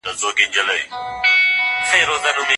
ښوونځي ماشومانو ته د همکارۍ ارزښت ښيي.